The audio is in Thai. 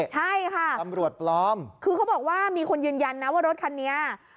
ใช่ค่ะตำรวจปลอมคือเขาบอกว่ามีคนยืนยันนะว่ารถคันนี้